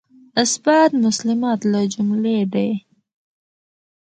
اثبات مسلمات له جملې دی.